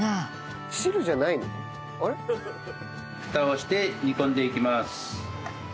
蓋をして煮込んでいきます。